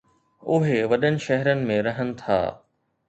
اهي وڏن شهرن ۾ رهن ٿا